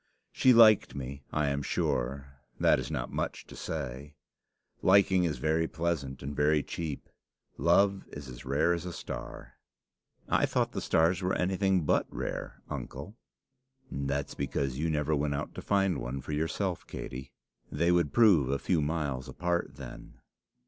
She liked me I am sure. That is not much to say. Liking is very pleasant and very cheap. Love is as rare as a star." "I thought the stars were anything but rare, uncle." "That's because you never went out to find one for yourself, Katey. They would prove a few miles apart then."